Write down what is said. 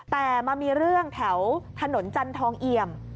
แต่มามีเรื่องแถวถนนจันทองเอี่ยม